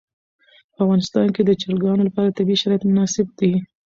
په افغانستان کې د چرګانو لپاره طبیعي شرایط مناسب دي.